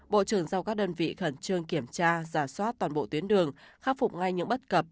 bộ trưởng giao các đơn vị khẩn trương kiểm tra giả soát toàn bộ tuyến đường khắc phục ngay những bất cập